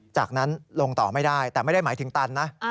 จากนั้นลงต่อไม่ได้แต่ไม่ได้หมายถึงตันนะ